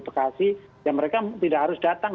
bekasi ya mereka tidak harus datang